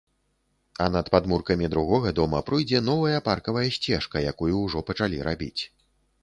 А над падмуркамі другога дома пройдзе новая паркавая сцежка, якую ўжо пачалі рабіць.